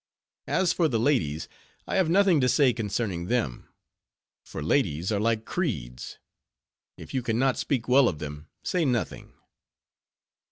As for the ladies, I have nothing to say concerning them; for ladies are like creeds; if you can not speak well of them, say nothing.